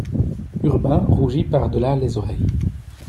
Urbain rougit par delà les oreilles.